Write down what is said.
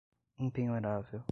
impenhorável